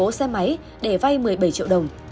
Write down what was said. hợp cầm cố xe máy để vay một mươi bảy triệu đồng